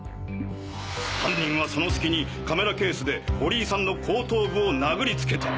犯人はその隙にカメラケースで堀井さんの後頭部を殴りつけた。